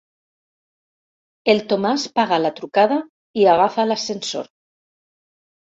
El Tomàs paga la trucada i agafa l'ascensor.